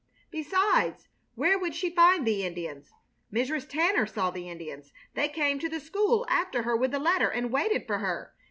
Besides, where would she find the Indians? Mrs. Tanner saw the Indians. They came to the school after her with the letter, and waited for her.